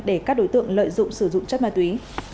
để các đối tượng lợi dụng sử dụng chất ma túy